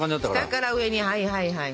下から上にはいはいはい。